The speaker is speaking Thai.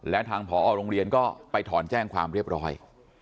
และทางผอโรงเรียนก็ไปถอนแจ้งความเรียบร้อย